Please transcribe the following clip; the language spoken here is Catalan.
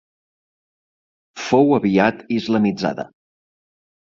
Fou aviat islamitzada.